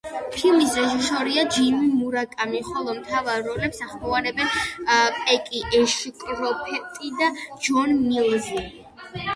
ფილმის რეჟისორია ჯიმი მურაკამი, ხოლო მთავარ როლებს ახმოვანებენ პეგი ეშკროფტი და ჯონ მილზი.